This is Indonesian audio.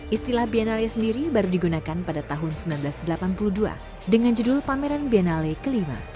istilah biennale sendiri baru digunakan pada tahun seribu sembilan ratus delapan puluh dua dengan judul pameran biennale ke lima